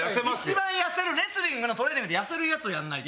一番痩せるレスリングのトレーニングで痩せるやつをやらないと。